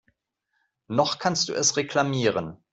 Noch kannst du es reklamieren.